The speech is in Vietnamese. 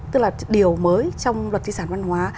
tức là điều mới trong luật di sản văn hóa